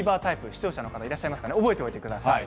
視聴者の方いらっしゃいますかね覚えておいてください。